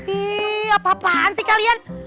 kih apa apaan sih kalian